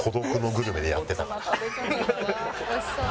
「おいしそう」